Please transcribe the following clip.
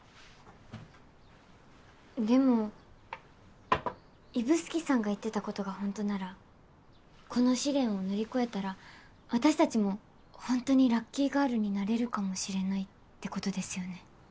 でも指宿さんが言ってたことが本当ならこの試練を乗り越えたら私たちも本当にラッキーガールになれるかもしれないってことですよね。